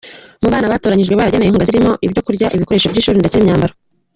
Mu bana batoranyijwe baragenewe inkunga zirimo ibyo kurya, ibikoresho by’ishuri ndetse n’imyambaro.